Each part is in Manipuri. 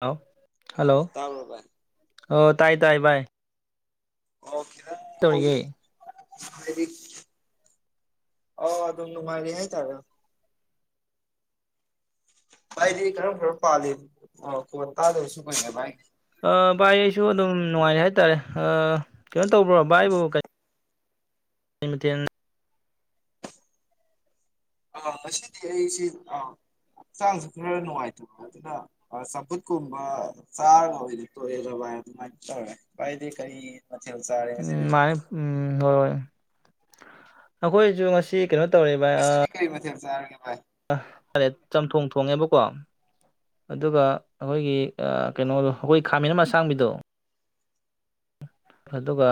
ꯂ ꯍꯜꯂꯣ ꯑꯣ ꯇꯥꯕ꯭ꯔꯣ ꯚꯥꯏ ꯑ ꯇꯥꯏ ꯇꯥꯏ ꯕꯥꯏ ꯑꯣꯀꯦ ꯇꯧꯔꯤꯌꯦ ꯗꯤ ꯑ ꯑꯗꯨ ꯃꯥꯒꯤ ꯍꯥꯏ ꯇꯥꯔꯦ ꯥꯚꯥꯏꯗꯤ ꯀꯔꯝ ꯀꯔꯝ ꯄꯥꯜꯂꯤ ꯑ ꯈꫭꯟ ꯇꯥꯗꯕꯁꯨ ꯀꯨꯏꯔꯦ ꯚꯥꯏ ꯑ ꯚꯥꯏ ꯑꯩꯁꯨ ꯑꯗꯨꯝ ꯅꯨꯡꯉꯥꯏꯔꯦ ꯑ ꯍꯥꯏꯇꯥꯔꯦ ꯀꯩꯅꯣ ꯇꯧꯕ꯭ꯔꯣ ꯚꯥꯏꯕꯨ ꯀꯩꯃꯊꯦꯜ ꯑꯥ ꯉꯁꯤꯗꯤ ꯑꯩꯁꯤ ꯑ ꯍꯛꯆꯥꯡꯁꯨ ꯈꯔ ꯅꯨꯡꯉꯥꯏꯇꯕ ꯑꯗꯨꯅ ꯆꯝꯐꯨꯠꯀꯨꯝꯕ ꯆꯥꯒ ꯑꯣꯏꯅ ꯇꯣꯛꯑꯦꯗ ꯚꯏ ꯑꯗꯨꯃꯥꯏꯅ ꯇꯧꯔꯦ ꯚꯥꯏꯗꯤ ꯀꯔꯤ ꯃꯊꯦꯜ ꯆꯥꯔꯦ ꯉꯁꯤꯗꯤ ꯎꯝ ꯃꯥꯅꯦ ꯎꯝ ꯍꯣꯏ ꯑꯩꯈꯣꯏꯁꯨ ꯉꯁꯤ ꯀꯩꯅꯣ ꯇꯧꯔꯤꯕ ꯉꯁꯤꯗꯤ ꯀꯔꯤ ꯃꯊꯦꯜ ꯆꯥꯔꯒꯦ ꯚꯥꯏ ꯇꯔꯦꯠ ꯆꯝꯊꯣꯡ ꯊꯣꯡꯉꯦꯕꯀꯣ ꯑꯗꯨꯒ ꯑꯩꯈꯣꯏꯒꯤ ꯀꯩꯅꯣꯗꯣ ꯑꯩꯈꯣꯏ ꯈꯥꯃꯤꯅ ꯑꯁꯥꯡꯕꯤꯗꯣ ꯑꯗꯨꯒ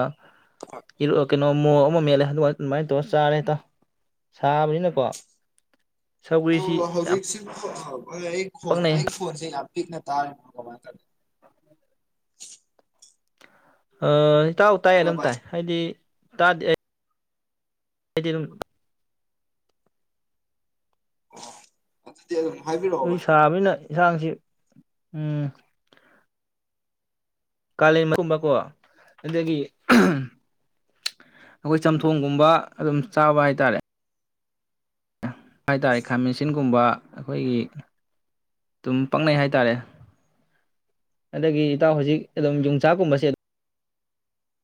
ꯏꯔꯣꯀꯩ ꯀꯩꯅꯣ ꯃꯣꯔꯣꯛ ꯑꯃ ꯃꯦꯠꯂꯦ ꯑꯗꯨꯒ ꯑꯗꯨꯃꯥꯏꯅ ꯇꯧꯔ ꯆꯥꯔꯦ ꯏꯇꯥꯎ ꯁꯥꯕꯅꯤꯅꯀꯣ ꯁꯧꯒ꯭ꯔꯤꯁꯤ ꯌꯥꯝ ꯍꯧꯖꯤꯛꯁꯤ [inaudible] [inaudible] ꯈꯣꯟ ꯄꯛꯅꯩ ꯑꯩ ꯐꯣꯟ ꯄꯤꯛꯅ ꯇꯥꯔ [inaudible] ꯍ ꯇꯥꯎ ꯇꯥꯏ ꯍꯜꯂꯣ ꯑꯗꯨꯝ ꯚꯥꯏ ꯇꯥꯏ ꯍꯥꯏꯗꯤ ꯇꯥꯗꯤ ꯗꯤ ꯑꯗꯨ ꯑꯣ ꯑꯗꯨꯝ ꯍꯥꯏꯕꯤꯔꯛꯑꯣ ꯅꯣꯏ ꯚꯥꯏ ꯁꯥꯝꯅꯤꯅ ꯌꯦꯟꯁꯥꯡꯁꯤ ꯎꯝ ꯀꯥꯂꯦꯟꯃꯀꯨꯝꯕꯀꯣ ꯑꯗꯒꯤ ꯑꯩꯈꯣꯏ ꯆꯝꯊꯣꯡꯒꯨꯝꯕ ꯑꯗꯨꯝ ꯆꯥꯕ ꯍꯥꯏꯇꯥꯔꯦ ꯍꯥꯏ ꯇꯔꯦ ꯈꯥꯃꯦꯟꯁꯤꯟꯒꯨꯝꯕ ꯑꯩꯈꯣꯏꯒꯤ ꯑꯗꯨꯝ ꯄꯪꯅꯩ ꯍꯥꯏꯇꯥꯔꯦ ꯑꯗꯒꯤ ꯏꯇꯥꯎ ꯍꯧꯖꯤꯛ ꯑꯗꯨꯝ ꯌꯣꯡꯆꯥꯛꯀꯨꯝꯕꯁꯦ ꯑꯗꯨ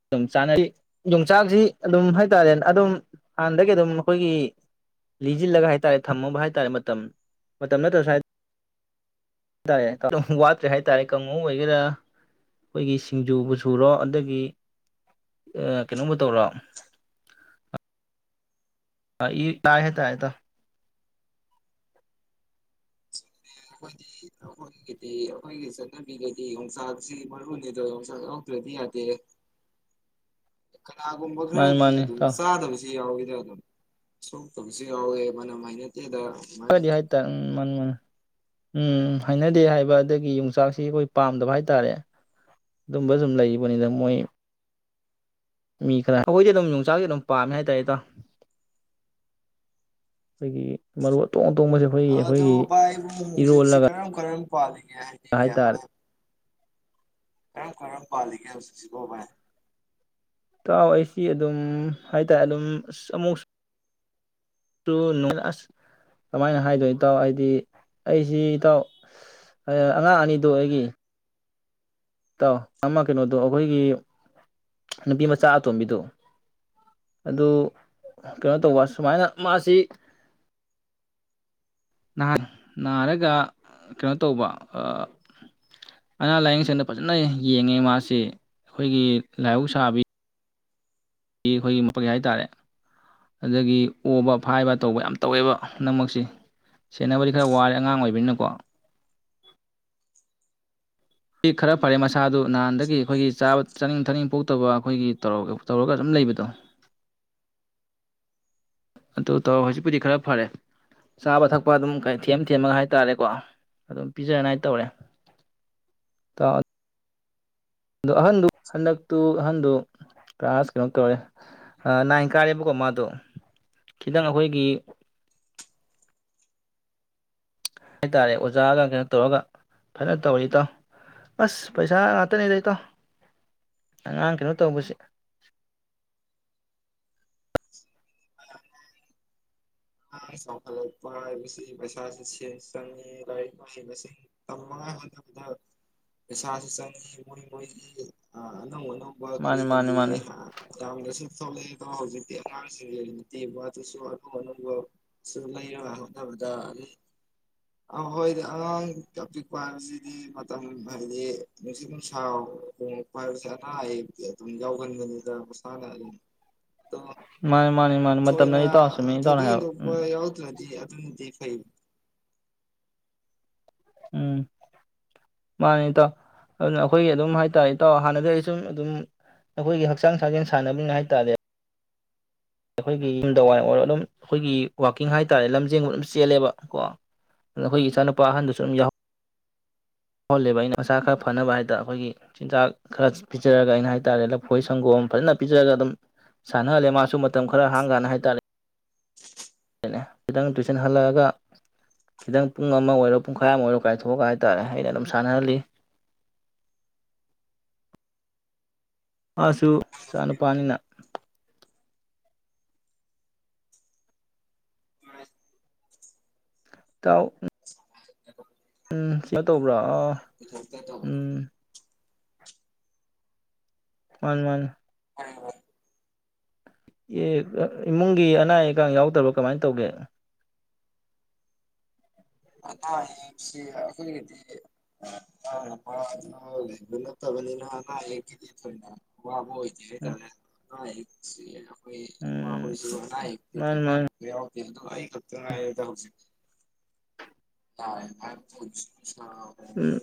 ꯑꯗꯨꯝ ꯆꯥꯅꯔꯤ ꯌꯣꯡꯆꯥꯛꯁꯤ ꯑꯗꯨꯝ ꯍꯥꯏ ꯇꯥꯔꯦ ꯑꯗꯨꯝ ꯍꯥꯟꯅꯗꯒꯤ ꯑꯗꯨꯝ ꯑꯩꯈꯣꯏꯒꯤ ꯂꯤꯁꯤꯜꯂꯒ ꯍꯥꯏ ꯇꯥꯔꯦ ꯊꯝꯃꯨꯕ ꯍꯥꯏ ꯇꯥꯔꯦ ꯃꯇꯝ ꯃꯇꯝ ꯅꯠꯇ꯭ꯔ ꯁ ꯍꯥꯏ ꯇꯔꯦ ꯑꯗꯨꯝ ꯋꯥꯠꯇ꯭ꯔꯦ ꯍꯥꯏ ꯇꯥꯔꯦ ꯀꯥꯡꯉꯨ ꯑꯣꯏꯒꯦꯔꯥ ꯑꯩꯈꯣꯏꯒꯤ ꯁꯤꯡꯖꯨꯕꯨ ꯁꯨꯔꯣ ꯑꯗꯒꯤ ꯀꯩꯅꯣꯕꯨ ꯇꯧꯔꯣ [unintelligible] [unintelligible] [unintelligible] ꯑꯩꯈꯣꯏꯒꯤꯗꯤ ꯑꯩꯈꯣꯏꯒꯤ ꯆꯠꯅꯕꯤꯒꯗꯤ ꯌꯣꯡꯆꯥꯛꯁꯤ ꯃꯔꯨꯅꯤꯗ ꯌꯣꯡꯆꯥꯛ ꯌꯥꯗ꯭ꯔꯗꯤ ꯌꯥꯗꯦ ꯀꯅꯥꯒꯨꯝꯕ ꯃꯥꯅꯤ ꯈꯔꯗꯤ ꯃꯥꯅꯤ ꯑꯗꯨꯝ ꯏꯇꯥꯎ ꯆꯥꯗꯕꯁꯨ ꯌꯥꯎꯋꯤꯗ ꯑꯗꯨꯝ ꯁꯣꯛꯇꯕꯁꯨ ꯌꯥꯎꯏ ꯃꯅꯝ ꯍꯩꯅꯗꯦꯗꯥ [unintelligible] [unintelligible] ꯎꯝ ꯍꯩꯅꯗꯦ ꯍꯥꯏꯕ ꯑꯗꯒꯤ ꯌꯣꯡꯆꯥꯛꯁꯤ ꯑꯩꯈꯣꯏ ꯄꯥꯝꯗꯕ ꯍꯥꯏ ꯇꯥꯔꯦ ꯑꯗꯨꯝꯕ ꯁꯨꯝ ꯂꯩꯕꯅꯤꯗ ꯃꯣꯏ ꯃꯤ ꯈꯔ ꯑꯩꯈꯣꯏꯗꯤ ꯑꯗꯨꯝ ꯌꯣꯡꯆꯥꯛꯁꯦ ꯑꯗꯨꯝ ꯄꯥꯝꯃꯦ ꯍꯥꯏꯇꯥꯔꯦ ꯏꯇꯥꯎ ꯑꯩꯈꯣꯏꯒꯤ ꯃꯔꯨ ꯑꯇꯣꯡ ꯑꯇꯣꯡꯕꯁꯦ ꯑꯩꯈꯣꯏꯒꯤ ꯑꯗꯨ ꯑꯩꯈꯣꯏꯒꯤ ꯏꯔꯣꯜꯂꯒ ꯄꯥꯜꯂꯤ ꯍꯥꯏꯇꯥꯔꯦ [unintelligible] ꯈꯔꯝ ꯄꯥꯜꯂꯤꯒꯦ ꯍꯧꯖꯤꯛꯁꯤꯕꯣ ꯚꯥꯏ ꯏꯇꯥꯎ ꯑꯩꯁꯤ ꯑꯗꯨꯝ ꯍꯥꯏ ꯇꯔꯦ ꯑꯗꯨꯝ ꯑꯁ ꯑꯃꯨꯛ ꯅ ꯑꯁ ꯀꯃꯥꯏꯅ ꯍꯥꯏꯗꯣꯏꯅ ꯇꯥꯎ ꯍꯥꯏꯗꯤ ꯑꯩꯁꯤ ꯏꯇꯥꯎ ꯑꯉꯥꯡ ꯑꯅꯤꯗꯣ ꯑꯩꯒꯤ ꯇꯥꯎ ꯑꯃ ꯀꯩꯅꯣꯗꯣ ꯑꯩꯈꯣꯏꯒꯤ ꯅꯨꯄꯤ ꯃꯆꯥ ꯑꯇꯣꯝꯕꯤꯗꯨ ꯑꯗꯨ ꯀꯩꯅꯣ ꯇꯧꯕ ꯁꯨꯃꯥꯏꯅ ꯃꯥꯁꯤ ꯅꯥꯔꯒ ꯀꯩꯅꯣ ꯇꯧꯕ ꯑꯅꯥ ꯂꯥꯏꯌꯦꯡ ꯁꯪꯗ ꯐꯖꯅ ꯌꯦꯡꯉꯦ ꯃꯥꯁꯤ ꯑꯩꯈꯣꯏꯒꯤ ꯂꯥꯏꯍꯧ ꯁꯥꯥꯕꯤ ꯑꯩꯈꯣꯏꯒꯤ [unintelligible] ꯍꯥꯏꯇꯥꯔꯦ ꯑꯗꯨꯗꯒꯤ ꯑꯣꯕ ꯐꯥꯏꯕ ꯇꯧꯕ ꯌꯥꯝ ꯇꯧꯋꯦꯕ ꯍꯟꯗꯛꯃꯛꯁꯤ ꯁꯦꯟꯅꯕꯗꯤ ꯈꯔ ꯋꯥꯔꯦ ꯑꯉꯥꯡ ꯑꯣꯏꯕꯅꯤꯅꯀꯣ ꯈꯔ ꯐꯔꯦ ꯃꯥ ꯁꯥꯗꯨ ꯅꯍꯥꯟꯗꯒꯤ ꯑꯩꯈꯣꯏꯒꯤ ꯆꯥꯕ ꯆꯥꯅꯤꯡ ꯊꯛꯅꯤꯡ ꯄꯣꯛꯇꯕ ꯑꯩꯈꯣꯏꯒꯤ ꯇꯧꯔꯒ ꯑꯗꯨꯝ ꯂꯩꯕꯗꯣ ꯑꯗꯨ ꯇꯧꯔ ꯍꯧꯖꯤꯛꯄꯨꯗꯤ ꯈꯔ ꯐꯔꯦ ꯆꯥꯕ ꯊꯛꯄ ꯑꯗꯨꯝ ꯊꯦꯝ ꯊꯦꯝꯃꯒ ꯍꯥꯏꯇꯥꯥꯔꯦꯀꯣ ꯑꯗꯨꯝ ꯄꯤꯖꯉꯥꯏ ꯇꯧꯔꯦ ꯑꯗꯣ ꯑꯍꯟꯗꯨ ꯍꯟꯗꯛꯇꯨ ꯑꯍꯟꯗꯨ ꯀ꯭ꯂꯥꯁ ꯀꯩꯅꯣ ꯇꯧꯔꯦ ꯅꯥꯏꯟ ꯀꯥꯔꯦꯕꯀꯣ ꯃꯥꯗꯣ ꯈꯤꯇꯪ ꯑꯩꯈꯣꯏꯒꯤ ꯍꯥꯏꯇꯥꯔꯦ ꯑꯣꯖꯥꯒ ꯀꯩꯅꯣ ꯇꯧꯔꯒ ꯐꯅ ꯇꯧꯔꯦ ꯏꯇꯥꯎ ꯑꯁ ꯄꯩꯁꯥ ꯉꯥꯛꯇꯅꯦꯗ ꯏꯇꯥꯎ ꯑꯉꯥꯡ ꯀꯩꯅꯣ ꯇꯧꯕꯁꯦ [unintelligible] ꯑꯉꯥꯡ ꯆꯥꯎꯈꯠꯂꯛꯄ ꯍꯥꯏꯕꯁꯤ ꯄꯩꯁꯥꯁꯨ ꯆꯪꯉꯤ ꯂꯥꯏꯔꯤꯛ ꯃꯍꯩ ꯃꯁꯤꯡ ꯇꯝꯉꯥꯏ ꯍꯣꯠꯅꯕꯗ ꯄꯩꯁꯥꯁꯨ ꯆꯪꯉꯤ ꯃꯣꯏ ꯃꯣꯏꯒꯤ ꯑꯅꯧ ꯑꯅꯧꯕꯥ ꯀꯔꯤ ꯃꯥꯅꯤ ꯃꯥꯅꯤ ꯀꯔꯤ ꯃꯥꯅꯤ [unintelligible] [unintelligible] [unintelligible] ꯑꯗꯨꯒ ꯂꯩꯔ ꯍꯣꯠꯅꯕꯗ ꯑ ꯍꯣꯏꯗ ꯑꯉꯥꯡꯄꯤꯛꯄ ꯍꯥꯏꯕꯁꯤꯗꯤ ꯃꯇꯝ ꯍꯥꯏꯕꯗꯤ ꯅꯨꯡꯁꯤꯠ ꯅꯨꯡꯁꯥꯎ ꯍꯣꯉꯛꯄ ꯍꯥꯏꯕꯁꯤ ꯑꯅꯥ ꯑꯌꯦꯛ ꯑꯗꯨꯝ ꯌꯥꯎꯒꯟꯕꯅꯤꯗ ꯃꯁꯥꯅ ꯑꯗꯨꯝ ꯑꯗꯣ [unintelligible] ꯊꯣꯏꯅ ꯃꯇꯝꯅꯅꯤ ꯏꯇꯥꯎ ꯆꯨꯝꯃꯤ ꯏꯇꯥꯎꯅ ꯊꯣꯏꯗꯣꯛ ꯍꯥꯏꯕ ꯍꯦꯟꯗꯣꯛꯄ ꯎꯝ ꯌꯥꯎꯇꯔꯗꯤ [unintelligible] ꯎꯝ ꯃꯥꯅꯦ ꯏꯇꯥꯎ ꯑꯗꯨꯅ ꯑꯩꯈꯣꯏꯒꯤ ꯑꯗꯨꯝ ꯍꯥꯏ ꯇꯥꯔꯦ ꯏꯇꯥꯎ ꯍꯥꯟꯅꯗꯤ ꯑꯩ ꯁꯨꯝ ꯑꯗꯨꯝ ꯑꯩꯈꯣꯏꯒꯤ ꯍꯛꯆꯥꯡ ꯁꯥꯥꯖꯦꯜ ꯁꯥꯟꯅꯅꯤꯅ ꯍꯥꯏ ꯇꯥꯔꯦ ꯑꯩꯈꯣꯏꯒꯤ ꯌꯨꯝꯗ ꯋꯥꯏ ꯑꯣꯏꯔꯣ ꯑꯗꯨꯝ ꯑꯩꯈꯣꯏꯒꯤ ꯋꯥꯀꯤꯡ ꯍꯥꯏꯇꯥꯥꯔꯦ ꯂꯝꯖꯦꯟꯒꯨꯝ ꯑꯗꯨꯝ ꯆꯦꯜꯂꯦꯕ ꯀꯣ ꯑꯗꯨ ꯑꯩꯈꯣꯏꯒꯤ ꯏꯆꯥꯅꯨꯄꯥ ꯑꯍꯟꯗꯨꯁꯨ ꯑꯗꯨꯝ ꯌꯥꯎ ꯌꯥꯥꯎꯍꯜꯂꯦꯕ ꯑꯩꯅ ꯃꯁꯥ ꯈꯔ ꯐꯅꯕ ꯍꯥꯏ ꯇꯥꯔꯦ ꯑꯩꯈꯣꯏꯒꯤ ꯆꯤꯟꯖꯥꯛ ꯈꯔ ꯄꯤꯖꯔꯒ ꯑꯩꯅ ꯍꯥꯏ ꯇꯥꯔꯦ ꯂꯐꯣꯏ ꯁꯪꯒꯣꯝ ꯐꯖꯅ ꯄꯤꯖꯔꯒ ꯑꯗꯨꯝ ꯁꯥꯟꯅꯍꯜꯂꯦ ꯃꯥꯁꯨ ꯃꯇꯝ ꯈꯔ ꯍꯥꯡ ꯀꯥꯟꯗ ꯍꯥꯏ ꯇꯥꯔꯦ ꯈꯤꯇꯪ ꯇꯨꯏꯁꯟ ꯍꯜꯂꯛꯑꯒ ꯈꯤꯇꯪ ꯄꯨꯡ ꯑꯃ ꯑꯣꯏꯔꯣ ꯄꯨꯡꯈꯥꯏ ꯑꯃ ꯑꯣꯏꯔꯣ ꯀꯥꯏꯊꯣꯛꯑꯒ ꯍꯥꯏꯇꯥꯔꯦ ꯑꯩꯅ ꯑꯗꯨꯝ ꯁꯥꯟꯅꯍꯜꯂꯤ ꯃꯥꯁꯨ ꯏꯆꯥꯅꯨꯄꯥꯅꯥꯅ ꯏꯇꯥꯎ ꯎꯝ [unintelligible] ꯇꯧꯕ꯭ꯔꯥ ꯑꯥ ꯏꯊꯟꯇ ꯎꯝ ꯇꯧꯒꯗꯕꯅꯤ ꯃꯥꯅꯤ ꯃꯥꯅꯤ ꯑꯦ ꯏꯃꯨꯡꯒꯤ ꯑꯅꯥ ꯑꯌꯦꯛꯀ ꯌꯥꯎꯗꯕ꯭ꯔꯥ ꯀꯃꯥꯏꯅ ꯇꯧꯒꯦ ꯑꯅꯥ ꯑꯌꯦꯛꯁꯤ ꯑꯩꯈꯣꯏꯒꯤꯗꯤ [unintelligible] ꯂꯩꯕ ꯅꯠꯇꯕꯅꯤꯅ ꯑꯅꯥ ꯑꯌꯦꯛꯀꯤꯗꯤ ꯊꯣꯏꯅꯥ ꯎꯝ [unintelligible] ꯑꯍꯤꯆꯤ ꯏꯣꯏ ꯎꯝ ꯏꯃꯥꯍꯣꯏꯁꯨ ꯍꯥꯏ ꯃꯥꯅꯤ ꯃꯥꯅꯤ ꯑꯩꯈꯛꯇ‌ ꯉꯥꯏꯔꯦꯗ ꯍꯧꯁ ꯇꯥꯔꯦ ꯐꯥꯏ ꯄꯨꯁ ꯎꯝ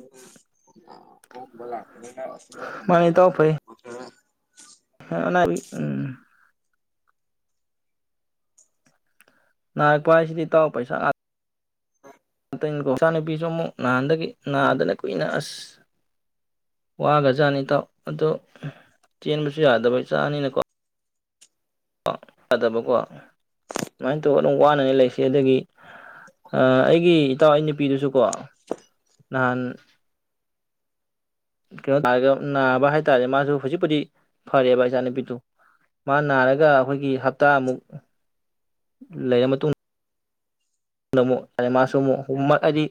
ꯑ ꯍꯣꯛꯕꯂ ꯑꯗꯨꯨꯅ ꯑꯗꯨꯒꯨꯝꯕ ꯀ ꯍ ꯑꯅꯕꯤ ꯎꯝ ꯅꯥꯔꯛꯄ ꯍꯥꯏꯁꯤꯗꯤ ꯏꯇꯥꯎ ꯄꯩꯁꯥ ꯣ ꯏꯆꯥ ꯅꯨꯨꯄꯤꯁꯨ ꯑꯃꯨꯛ ꯅꯍꯥꯟꯗꯒꯤ ꯅꯥꯗꯅ ꯀꯨꯏꯅ ꯑꯁ ꯋꯥꯒꯖꯥꯠꯅꯤ ꯏꯇꯥꯎ ꯑꯗꯣ ꯆꯦꯟꯕꯁꯨ ꯌꯥꯗꯕ ꯏꯆꯥꯅꯤꯅꯀꯣ ꯌꯥꯗꯕꯀꯣ ꯑꯗꯨꯃꯥꯏꯅ ꯇꯧꯔ ꯑꯗꯨꯝ ꯋꯥꯅꯅꯤ ꯂꯩꯁꯤ ꯑꯗꯒꯤ ꯑ ꯑꯩꯒꯤ ꯏꯇꯥꯎ ꯑꯩ ꯅꯨꯄꯤꯗꯨꯁꯨꯀꯣ ꯅꯍꯥꯟ ꯀꯩꯅꯣꯔꯒ ꯅꯥꯕ ꯍꯥꯏꯇꯥꯔꯦ ꯃꯥꯁꯨ ꯍꯧꯖꯤꯛꯄꯨꯗꯤ ꯐꯔꯦꯕ ꯏꯆꯥꯅꯨꯄꯤꯗꯨ ꯃꯥ ꯅꯥꯔꯒ ꯑꯩꯈꯣꯏꯒꯤ ꯍꯇꯥ ꯑꯃꯨꯛ ꯂꯩꯔ ꯃꯇꯨꯡ ꯑꯃꯨꯛ ꯑ ꯃꯥꯁꯨ ꯑꯃꯨꯛ ꯎꯃꯠ ꯍꯥꯏꯗꯤ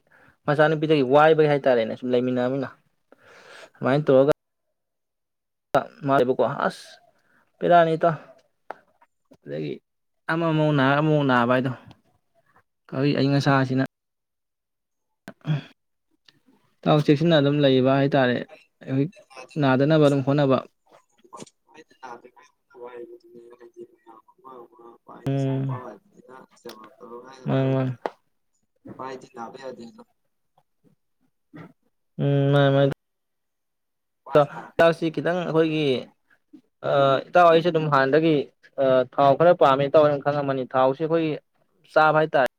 ꯃꯆꯥꯅꯨꯄꯤꯗꯒꯤ ꯋꯥꯏꯕꯒꯤ ꯍꯥꯏꯇꯥꯔꯦꯅꯦ ꯁꯨꯝ ꯂꯩꯃꯤꯟꯅꯃꯤꯅ ꯁꯨꯃꯥꯏꯅ ꯇꯧꯔꯒ ꯃꯥꯕꯀꯣ ꯑꯁ ꯕꯦꯔꯥꯅꯤꯇ ꯑꯗꯒꯤ ꯑꯃꯃꯃꯨꯛ ꯅꯥꯔꯒ ꯑꯃꯃꯨꯛ ꯅꯥꯕ ꯍꯥꯏꯗꯣ ꯀꯧꯏ ꯑꯏꯪ ꯑꯁꯥꯁꯤꯅ ꯇꯥꯎ ꯆꯦꯛꯁꯤꯟꯅ ꯑꯗꯨꯝ ꯂꯩꯕ ꯍꯥꯏ ꯇꯥꯥꯔꯦ ꯍꯧꯋꯤꯏ ꯅꯥꯗꯅꯕ ꯑꯗꯨꯝ ꯍꯣꯠꯅꯕ ꯄꯁꯨ ꯎꯝ ꯄꯅꯤꯅ ꯁꯦꯕꯥ ꯇꯧꯔꯒ ꯃꯥꯅꯤ ꯃꯥꯅꯤ ꯇꯗꯅ ꯄꯥꯏꯗꯤ ꯅꯥꯕ ꯌꯥꯗꯦ ꯑꯗꯣ ꯎꯝ ꯃ ꯃꯥꯏ ꯄꯥꯏ ꯅꯥꯔꯦ ꯇ ꯑꯁꯤ ꯈꯤꯇꯪ ꯑꯩꯈꯣꯏꯒꯤ ꯏꯇꯥꯎꯣꯏꯁꯦ ꯑꯗꯨꯝ ꯍꯥꯟꯅꯗꯒꯤ ꯊꯥꯎ ꯈꯔ ꯄꯥꯝꯃꯦ ꯏꯇꯥꯎꯍꯅ ꯈꯪꯉꯝꯃꯅꯤ ꯊꯥꯎꯁꯦ ꯑꯩꯈꯣꯏꯒꯤ ꯆꯥꯕ ꯍꯥꯏꯇꯥꯔꯦ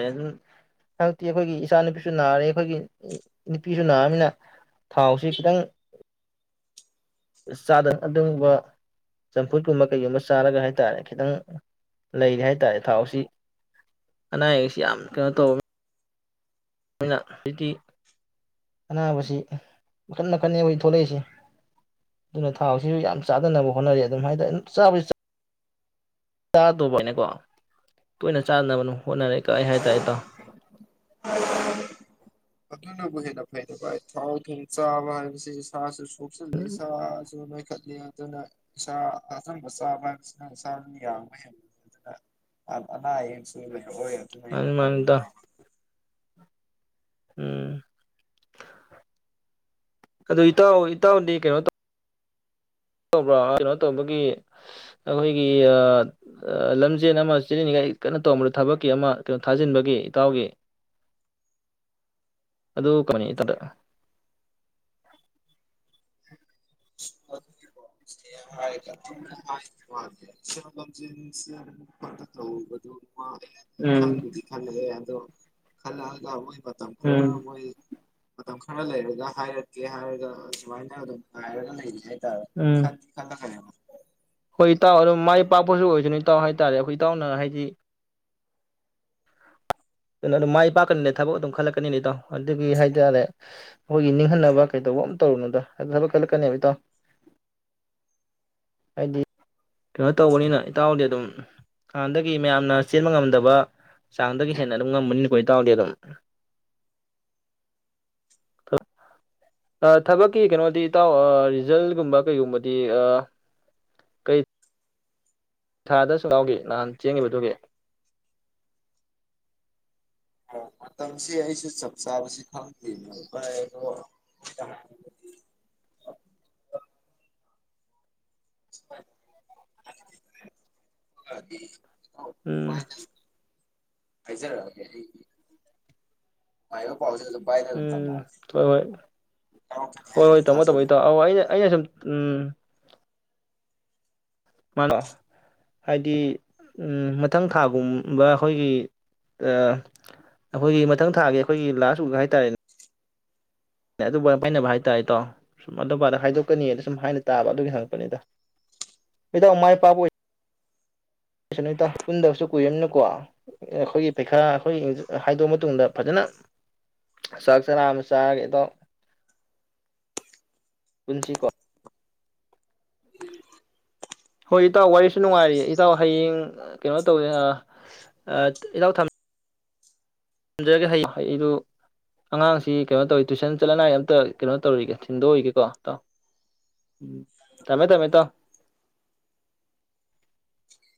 ꯑꯗꯨꯝ ꯍꯟꯗꯛꯇꯤ ꯑꯩꯈꯣꯏꯒꯤ ꯏꯆꯥ ꯅꯨꯨꯄꯤꯁꯨ ꯅꯥꯔꯦ ꯑꯩꯈꯣꯏꯒꯤ ꯅꯨꯄꯤꯁꯨ ꯅꯥꯑꯅꯤꯅ ꯊꯥꯎꯁꯤ ꯈꯤꯇꯪ ꯆꯥꯗ ꯑꯗꯨꯒꯨꯝꯕ ꯆꯝꯐꯨꯠꯀꯨꯝꯕ ꯀꯩꯒꯨꯝꯕ ꯆꯥꯔꯒ ꯍꯥꯏ ꯇꯥꯔꯦ ꯈꯤꯇꯪ ꯂꯩꯔꯦ ꯍꯥꯏ ꯇꯥꯔꯦ ꯊꯥꯎꯁꯤ ꯑꯅꯥ ꯑꯌꯦꯛꯁꯤ ꯌꯥꯝ ꯀꯩꯅꯣ ꯇꯧꯔꯝꯃꯤ ꯑꯩꯅ ꯍꯧꯖꯤꯛꯇꯤ ꯑꯅꯥꯕꯁꯤ ꯃꯈꯟ ꯃꯈꯟꯅꯦ ꯑꯩꯈꯣꯏ ꯊꯣꯛꯂꯛꯏꯁꯤ ꯑꯗꯨꯅ ꯊꯥꯎꯁꯤꯁꯨ ꯌꯥꯝ ꯆꯥꯗꯅꯕ ꯍꯣꯠꯅꯔꯤ ꯑꯗꯨꯝ ꯍꯥꯏꯗꯤꯔꯦ ꯆꯥꯕꯁꯤ ꯆꯥꯗꯧꯕ ꯍꯥꯏꯅꯀꯣ ꯇꯣꯏꯅ ꯆꯥꯅꯕꯅꯣ ꯍꯣꯠꯅꯔꯦ ꯀꯥꯏ ꯍꯥꯏ ꯇ ꯍꯥꯏ ꯇ ꯑꯗꯨꯅꯕꯨ ꯍꯦꯟꯅ ꯐꯩꯗ ꯚꯥꯏ ꯊꯥꯎ ꯊꯣꯡ ꯆꯥꯕ ꯍꯥꯏꯕꯁꯤ ꯏꯁꯥꯁꯨ ꯈꯨꯁꯨ ꯏꯁꯥꯁꯨ ꯅꯣꯏꯈꯠꯂꯦ ꯑꯗꯨꯅ ꯏꯁꯥ ꯑꯆꯪꯕ ꯆꯥꯕ ꯍꯥꯏꯕꯁꯤꯅ ꯏꯁꯥꯅ ꯌꯥꯡꯕ ꯍꯦꯟꯕ ꯑꯗꯨꯅ ꯑꯅꯥ ꯑꯌꯦꯌꯦꯛꯁꯨ ꯂꯩ ꯍꯣꯏ ꯑꯗꯨꯅ ꯍ ꯃꯥꯅꯤ ꯐ ꯃꯥꯅꯤ ꯕ ꯏꯇꯥꯎ ꯎꯝ ꯑꯗꯨ ꯏꯇꯥꯎ ꯏꯇꯥꯎꯗꯤ ꯀꯩꯅꯣ ꯇꯧ ꯇꯧꯕ꯭ꯔꯥ ꯀꯩꯅꯣ ꯇꯧꯕꯒꯤ ꯑꯩꯈꯣꯏꯒꯤ ꯂꯝꯖꯦꯟ ꯑꯃ ꯆꯦꯜꯂꯤꯅꯤꯡꯉꯥꯏ ꯀꯟꯅ ꯇꯧꯝꯕ꯭ꯔꯥ ꯊꯕꯛꯀꯤ ꯑꯃ ꯀꯩꯅꯣ ꯊꯥꯖꯤꯟꯕꯒꯤ ꯏꯇꯥꯎꯒꯤ ꯑꯗꯨ ꯀꯃꯅꯤ ꯏꯇꯥꯗ ꯑ ꯍꯥꯏ ꯍꯥꯏ ꯁ ꯂꯝꯖ ꯐ ꯊ ꯈ ꯎꯝ ꯈꯟ ꯌꯥ ꯑ ꯈꯂ ꯃꯇꯝ ꯈꯔ ꯎꯝ ꯃꯣꯏ ꯃꯇꯝ ꯈꯔ ꯂꯩꯔꯒ ꯍꯥꯏꯔꯛꯀꯦ ꯍꯥꯏꯔꯒ ꯁꯨꯃꯥꯏꯅ ꯑꯗꯨꯝ ꯑꯔ ꯂꯩ ꯈꯥꯟ ꯈ ꯑꯩꯈꯣꯏ ꯏꯇꯥꯎ ꯑꯗꯨꯝ ꯃꯥꯏ ꯄꯥꯛꯄꯁꯨ ꯑꯣꯏꯗꯣꯏꯅꯤ ꯏꯇꯥꯎ ꯍꯥꯏꯇꯥꯔꯦ ꯑꯩꯈꯣꯏ ꯏꯇꯥꯎꯅ ꯍꯥꯏꯗꯤ ꯑꯗꯨ ꯑꯗꯨꯝ ꯃꯥꯏ ꯄꯥꯛꯀꯅꯤꯅꯦ ꯊꯕꯛ ꯑꯗꯨꯝ ꯈꯜꯂꯛꯀꯅꯤꯅꯦ ꯏꯇꯥꯎ ꯑꯗꯨꯒꯤ ꯍꯥꯏꯇꯥꯔꯦ ꯑꯩꯈꯣꯏꯒꯤ ꯅꯤꯡꯍꯟꯅꯕ ꯀꯩꯗꯧꯕ ꯑꯃ ꯇꯧꯔꯨꯅꯣꯗ ꯊꯕꯛ ꯈꯜꯂꯛꯀꯅꯦꯕ ꯏꯇꯥꯎ ꯍꯥꯏꯗꯤ ꯀꯩꯅꯣ ꯇꯧꯕꯅꯤꯅ ꯏꯇꯥꯎꯗꯤ ꯑꯗꯨꯝ ꯍꯥꯟꯅꯗꯒꯤ ꯃꯌꯥꯝꯅ ꯆꯦꯟꯕ ꯉꯝꯗꯕ ꯆꯥꯡꯗꯒꯤ ꯍꯦꯟꯅ ꯑꯗꯨꯝ ꯉꯝꯕꯅꯤꯅꯀꯣ ꯏꯇꯥꯎꯗꯤ ꯑꯗꯨꯝ ꯊꯕꯛꯀꯤ ꯀꯩꯅꯣꯗꯤ ꯏꯇꯥꯎ ꯔꯤꯖꯜꯒꯨꯝꯕ ꯀꯩꯒꯨꯝꯕꯗꯤ ꯀꯩ ꯊꯥꯗ ꯁꯨꯡꯒꯥꯎꯈꯤ ꯅꯍꯥꯟ ꯆꯦꯟꯕꯗꯨꯒꯤ ꯃꯇꯝꯁꯤ ꯑꯩꯁꯨ ꯆꯞ ꯆꯥꯕꯁꯤ ꯈꯪꯗ꯭ꯔꯤꯅꯣ ꯑꯗꯨ ꯎꯝ ꯍꯥꯏꯖꯔ ꯎꯝ ꯍꯣꯏ ꯍꯣꯏ ꯌꯥꯎꯔꯛꯀꯅꯤ ꯍꯣꯏ ꯍꯥꯏꯅ ꯍꯣꯏ ꯇꯃꯣ ꯇꯃꯣ ꯊꯥꯖꯒꯦ ꯇꯅꯦ ꯑ ꯁꯨꯝ ꯎꯝ ꯃꯥꯅꯣ ꯍꯥꯏꯗꯤ ꯃꯊꯪ ꯊꯥꯒꯨꯝꯕ ꯑꯩꯈꯣꯏꯒꯤ ꯑꯩꯈꯣꯏꯒꯤ ꯃꯊꯪ ꯊꯥꯒꯤ ꯑꯩꯈꯣꯏꯒꯤ ꯂꯥꯁ ꯋꯤꯛ ꯍꯥꯏꯇꯥꯔꯦꯅꯦ ꯑꯗꯨ ꯄꯥꯏꯅꯕ ꯍꯥꯏꯇꯥꯔꯦꯇꯣ ꯁꯨꯝ ꯑꯗꯨ ꯑꯗ ꯍꯥꯏꯗꯣꯛꯀꯅꯤꯗ ꯁꯨꯝ ꯍꯥꯏꯅ ꯇꯥꯕ ꯑꯗꯨꯒꯤ ꯍꯪꯉꯛꯄꯅꯤꯗ ꯍꯗ ꯃꯥꯏ ꯄꯥꯛꯄ ꯑꯣꯏ ꯅꯨ ꯄꯨꯟꯗꯕꯁꯨ ꯀꯨꯏꯔꯝꯅꯀꯣ ꯑꯩꯈꯣꯏꯒꯤ ꯄꯩꯈꯥ ꯑꯩꯈꯣꯏꯒꯤ ꯍꯥꯏꯗꯣꯛꯑ ꯃꯇꯨꯡꯗ ꯐꯖꯅ ꯆꯥꯛ ꯆꯔꯥ ꯑꯃ ꯆꯥꯔꯒꯦ ꯑꯇꯥꯎ ꯄꯨꯟꯁꯤꯀꯣ ꯍꯣꯏ ꯏ ꯋꯥꯔꯁ ꯨ ꯅꯨꯡꯉꯥꯏꯔꯤꯌꯦ ꯏꯇꯥꯎ ꯍꯌꯦꯡ ꯀꯩꯅꯣ ꯇꯧꯗꯦ ꯏꯅꯥꯎ ꯊꯝꯃꯦ ꯊꯝꯖꯔꯒꯦ ꯍꯌꯦꯡ ꯑꯩ ꯑꯩꯗꯨ ꯑꯉꯥꯡꯁꯤ ꯀꯩꯅꯣ ꯇꯧꯔꯤ ꯇꯨꯏꯁꯟ ꯆꯠꯂꯉꯥꯏꯒꯤ ꯑꯃꯝꯇ ꯀꯩꯅꯣ ꯇꯧꯔꯤꯒꯦ ꯊꯤꯟꯗꯣꯛꯏꯒꯦꯀꯣ ꯇꯥꯎ ꯎꯝ ꯊꯝꯃꯦ ꯊꯝꯃꯦ ꯇꯥꯎ